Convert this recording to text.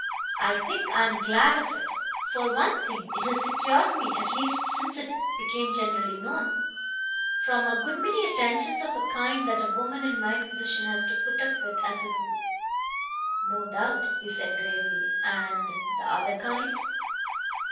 I think I am glad of it. For one thing, it has secured me at least since it became generally known from a good many attentions of a kind that a woman in my position has to put up with as a rule." "No doubt," he said gravely. "And ... the other kind?"